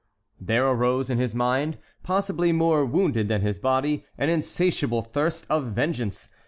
There arose in his mind, possibly more wounded than his body, an insatiable thirst of vengeance.